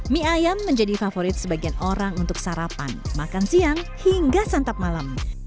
mie ayam menjadi favorit sebagian orang untuk sarapan makan siang hingga santap malam